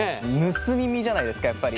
「盗み見」じゃないですかやっぱり。